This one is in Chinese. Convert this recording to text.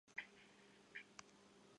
如白氏文昌鱼。